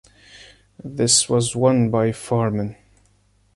This was won by Farman.